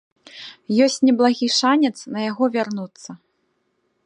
Ёсць неблагі шанец на яго вярнуцца.